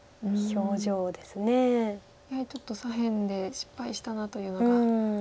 やはりちょっと左辺で失敗したなというのが。